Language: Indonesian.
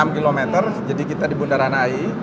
enam km jadi kita di bundaran hi